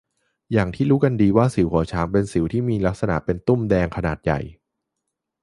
อย่างที่รู้กันดีว่าสิวหัวช้างเป็นสิวที่มีลักษณะเป็นตุ้มแดงขนาดใหญ่